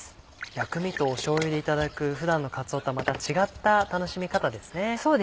薬味としょうゆでいただく普段のかつおとはまた違った楽しみ方ですね。